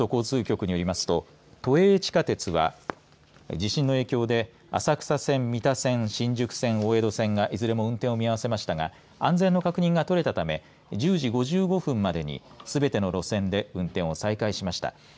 東京都交通局によりますと都営地下鉄は、地震の影響で浅草線、三田線、新宿線大江戸線がいずれも運転を見合わせましたが安全の確認が取れたため１０時５５分までにすべての路線で運転を再開しました。